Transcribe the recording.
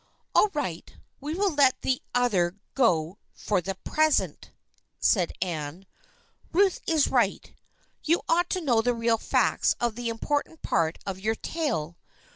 " All right, we will let the other go for the pres ent," said Anne. " Ruth is right. You ought to know the real facts of the important part of your tale.